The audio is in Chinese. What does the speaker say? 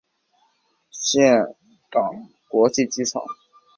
岘港国际机场。